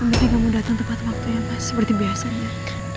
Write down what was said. mungkin kamu datang tempat waktunya mas seperti biasanya